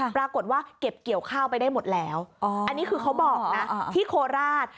ปรากฏว่าเก็บเกี่ยวข้าวไปได้หมดแล้วอันนี้คือเขาบอกนะที่โคราช